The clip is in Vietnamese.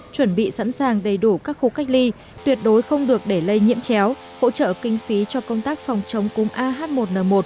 chuẩn bị sẵn sàng đầy đủ các khu cách ly tuyệt đối không được để lây nhiễm chéo hỗ trợ kinh phí cho công tác phòng chống cúm ah một n một